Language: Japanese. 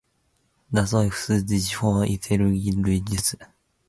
だそい ｈｓｄｇ ほ；いせるぎ ｌｈｓｇ